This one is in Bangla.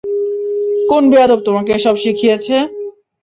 কোন বেয়াদব তোমাকে এসব শিখিয়েছে?